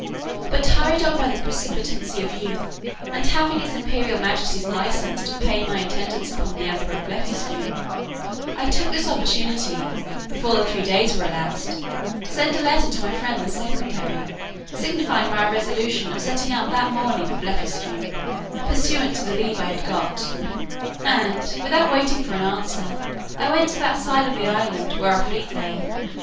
But hurried on by the precipitancy of youth, and having his imperial majesty's license to pay my attendance upon the emperor of Blefuscu, I took this opportunity, before the three days were elapsed, to send a letter to my friend the secretary, signifying my resolution of setting out that morning for Blefuscu, pursuant to the leave I had got; and, without waiting for an answer, I went to that side of the island where our fleet lay.